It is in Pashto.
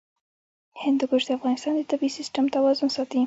هندوکش د افغانستان د طبعي سیسټم توازن ساتي.